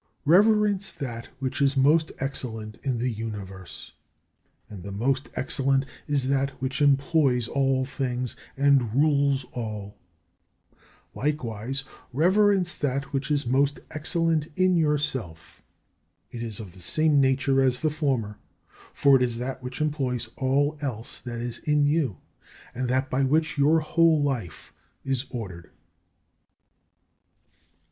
21. Reverence that which is most excellent in the Universe, and the most excellent is that which employs all things and rules all. Likewise reverence that which is most excellent in yourself. It is of the same nature as the former, for it is that which employs all else that is in you, and that by which your whole life is ordered.